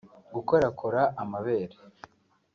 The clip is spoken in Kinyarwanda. Gukorakora amabere